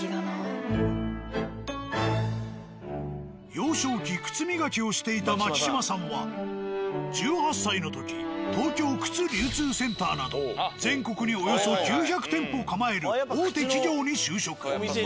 幼少期靴磨きをしていた牧島さんは１８歳の時「東京靴流通センター」など全国におよそ９００店舗を構える大手企業に就職。